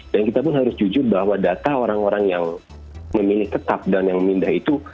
dan kita pun harus jujur bahwa data orang orang yang memilih tetap dan yang memindah itu